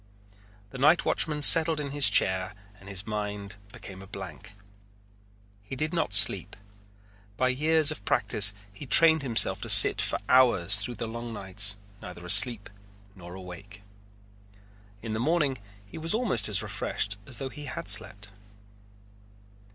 The nightwatchman settled into his chair and his mind became a blank. He did not sleep. By years of practice he had trained himself to sit for hours through the long nights neither asleep nor awake. In the morning he was almost as refreshed as though he had slept.